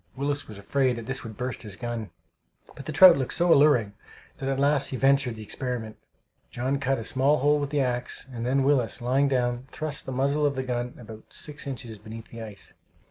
Willis was afraid that this would burst his gun, but the trout looked so alluring that at last he ventured the experiment. John cut a small hole with the axe, and then Willis, lying down, thrust the muzzle of the gun about six inches beneath the ice.